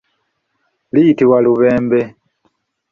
Luyitibwa lubembe.